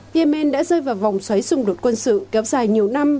yemen đã rơi vào vòng xoáy xung đột quân sự kéo dài nhiều năm